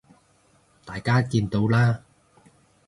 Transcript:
大家見到啦